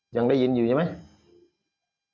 ยังได้ยินอยู่ใช่ไหม